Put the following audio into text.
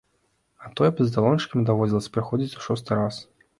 А тое б за талончыкам даводзілася прыходзіць у шосты раз.